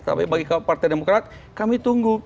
tapi bagi partai demokrat kami tunggu